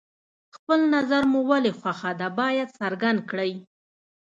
خپل نظر مو ولې خوښه ده باید څرګند کړئ.